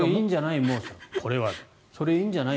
それいいんじゃない？